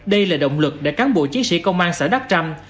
đây là động lực để cán bộ chiến sĩ công an xã đắc trăm